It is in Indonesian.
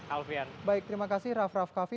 alfian baik terima kasih raff raff kaffi